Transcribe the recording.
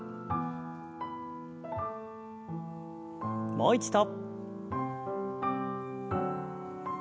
もう一度。